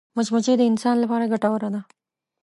مچمچۍ د انسان لپاره ګټوره ده